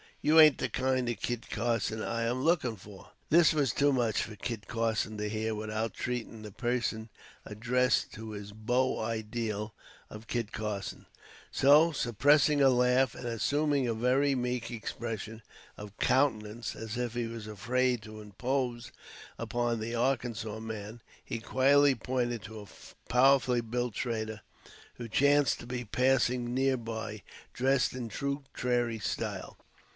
You ain't the kind of Kit Carson I am looking for." This was too much for Kit Carson to hear without treating the person addressed to his beau ideal of Kit Carson, so suppressing a laugh, and assuming a very meek expression of countenance, as if he was afraid to impose upon the Arkansas man, he quietly pointed to a powerfully built trader, who chanced to be passing near by, dressed in true prairie style.